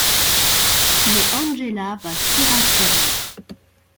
Mais Angela va surenchérir.